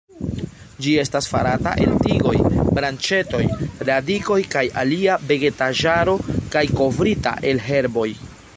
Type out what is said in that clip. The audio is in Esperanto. Ĝi estas farata el tigoj, branĉetoj, radikoj kaj alia vegetaĵaro kaj kovrita el herboj.